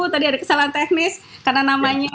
tadi ada kesalahan teknis karena namanya